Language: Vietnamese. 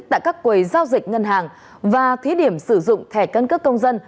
tại các quầy giao dịch ngân hàng và thí điểm sử dụng thẻ căn cước công dân